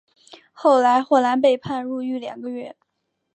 后来霍兰被判入狱两个月。